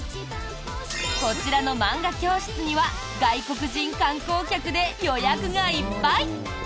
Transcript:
こちらの漫画教室には外国人観光客で予約がいっぱい！